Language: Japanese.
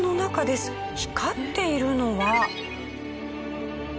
光っているのは。